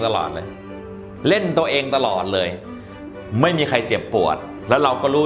ตลอดเลยเล่นตัวเองตลอดเลยไม่มีใครเจ็บปวดแล้วเราก็รู้